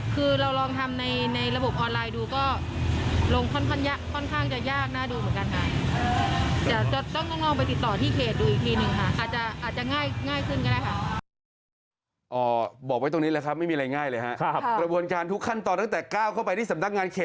คือเราลองทำในระบบออนไลน์ดูก็ลงค่อนข้างจะยากน่าดูเหมือนกันค่ะ